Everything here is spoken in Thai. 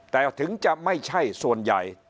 แต่ถึงจะไม่ใช่ส่วนใหญ่